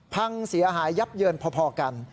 พังเสียหายยับเยินพอกัน